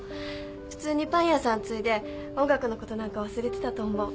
普通にパン屋さん継いで音楽のことなんか忘れてたと思う。